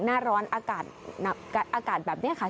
นาร้อนอากาศแบบนี้ค่ะ